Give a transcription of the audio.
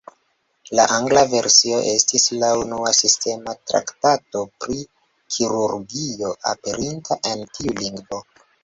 La angla versio estis la unua sistema traktato pri kirurgio aperinta en tiu lingvo.